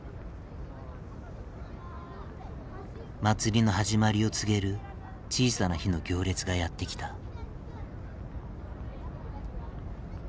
祭りの始まりを告げる小さな火の行列がやって来た。